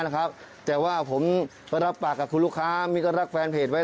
นะครับแต่ว่าผมก็รับปากกับคุณลูกค้ามีก็รักแฟนเพจไว้